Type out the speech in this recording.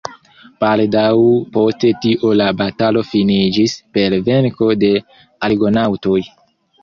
Baldaŭ post tio la batalo finiĝis per venko de Argonaŭtoj.